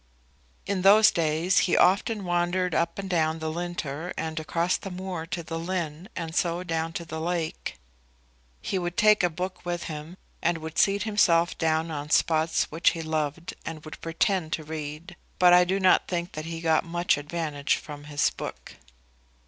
In those days he often wandered up and down the Linter and across the moor to the Linn, and so down to the lake. He would take a book with him, and would seat himself down on spots which he loved, and would pretend to read; but I do not think that he got much advantage from his book.